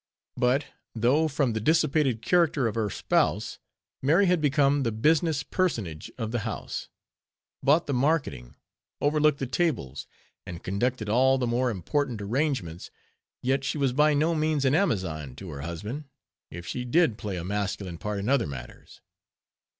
_ But though, from the dissipated character of her spouse, Mary had become the business personage of the house, bought the marketing, overlooked the tables, and conducted all the more important arrangements, yet she was by no means an Amazon to her husband, if she did play a masculine part in other matters.